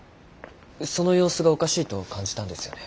その様子がおかしいと感じたんですよね。